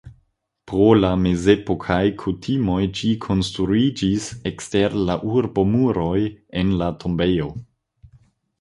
Pro la mezepokaj kutimoj ĝi konstruiĝis ekster la urbomuroj en la tombejo.